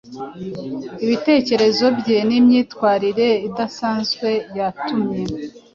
Ibitekerezo bye n’imyitwarire idasanzwe yatumye